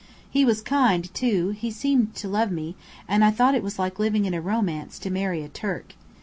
He was kind, too he seemed to love me; and I thought it was like living in a romance to marry a Turk.